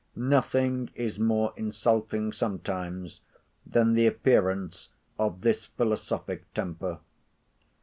Nothing is more insulting sometimes than the appearance of this philosophic temper.